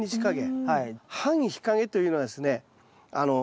半日陰というのはですね